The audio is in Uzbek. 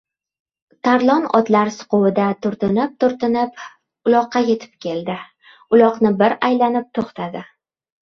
Tarlon otlar siquvida turtinib-burtinib uloqqa yetib keldi. Uloqni bir aylanib to‘xtadi.